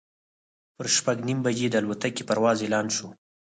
پر شپږ نیمې بجې د الوتکې پرواز اعلان شو.